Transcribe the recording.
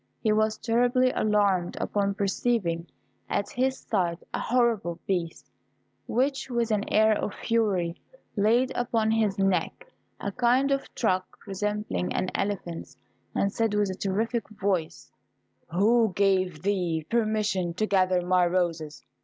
He was terribly alarmed upon perceiving at his side a horrible beast, which, with an air of fury, laid upon his neck a kind of trunk, resembling an elephant's, and said, with a terrific voice, "Who gave thee permission to gather my roses?